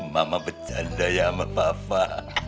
mama bercanda ya sama papa